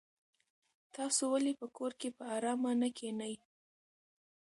تاسو ولې په کور کې په ارامه نه کېنئ؟